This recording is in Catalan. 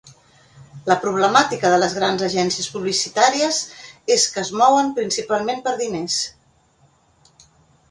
La problemàtica de les grans agències publicitàries és que es mouen principalment per diners.